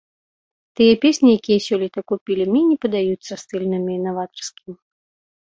Тыя песні, якія сёлета купілі, мне не падаюцца стыльнымі і наватарскімі.